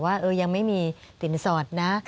ว่ายังไม่มีสินสอดนะ